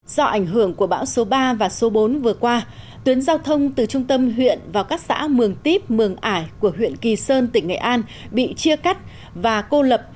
do ảnh hưởng của bão số ba và số bốn vừa qua tuyến giao thông từ trung tâm huyện vào các xã mường tiếp mường ải của huyện kỳ sơn tỉnh nghệ an bị chia cắt và cô lập